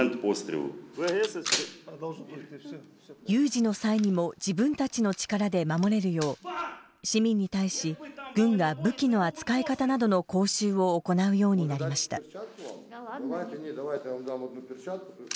有事の際にも自分たちの力で守れるよう市民に対し軍が武器の扱い方などの講習を行うようになりました。